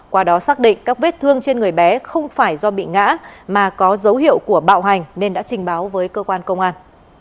qua đó xác định các vết thương trên người bé không phải do bị ngã mà có dấu hiệu của bạo hành nên đã trình báo với cơ quan công an